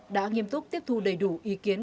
đã nghiêm túc tiếp thu đầy đủ ý kiến